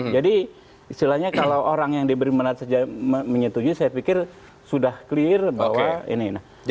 jadi istilahnya kalau orang yang diberi manat saja menyetujui saya pikir sudah clear bahwa ini